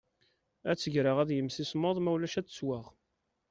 Ad tt-greɣ ad yimsismeḍ ma ulac ad tettwaɣ.